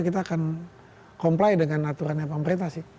kita akan comply dengan aturannya pemerintah sih